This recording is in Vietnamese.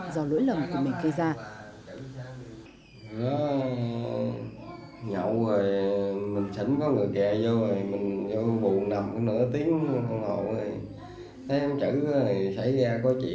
do lỗi lầm của mình gây ra